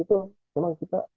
itu memang kita